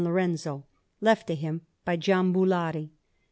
Lorenzo, left to him by Giambullari.